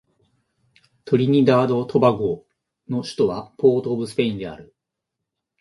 トリニダード・トバゴの首都はポートオブスペインである